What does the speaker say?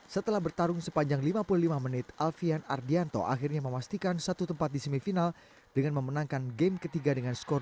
setelah bertarung sepanjang lima puluh lima menit alfian ardianto akhirnya memastikan satu tempat di semifinal dengan memenangkan game ketiga dengan skor dua